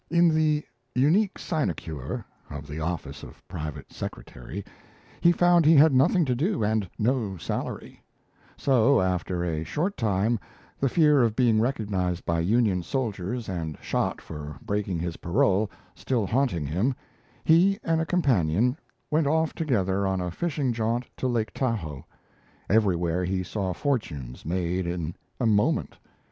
In the "unique sinecure" of the office of private secretary, he found he had nothing to do and no salary; so after a short time the fear of being recognized by Union soldiers and shot for breaking his parole still haunting him he, and a companion, went off together on a fishing jaunt to Lake Tahoe. Everywhere he saw fortunes made in a moment.